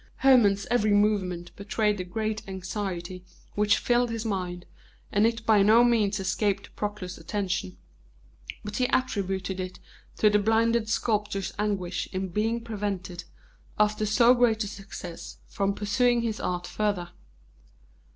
Hermon's every movement betrayed the great anxiety which filled his mind, and it by no means escaped Proclus's attention, but he attributed it to the blinded sculptor's anguish in being prevented, after so great a success, from pursuing his art further.